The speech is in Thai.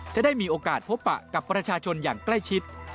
จะได้มีโอกาสพบปะกับประชาชนอย่างใกล้ชิด